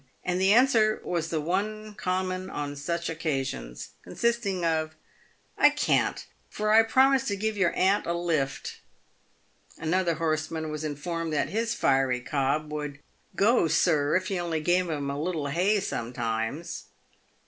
And the answer was the one common on such occasions, consisting of " I can't, for I promised to give your aunt a lift." Another horseman was informed that his fiery cob would " go, sir, if he only gave him a little hay sometimes."